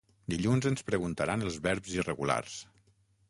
Dilluns ens preguntaran els verbs irregulars.